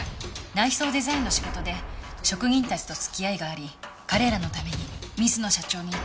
内装デザインの仕事で職人たちと付き合いがあり彼らのために水野社長にかけ合っていたそうです。